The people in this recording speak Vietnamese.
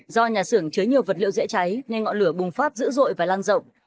do nhà xưởng chứa nhiều vật liệu dễ cháy nên ngọn lửa bùng phát dữ dội và lan rộng